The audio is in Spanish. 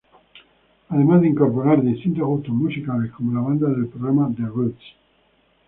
Además de incorporar distintos gustos musicales como la banda del programa The Roots.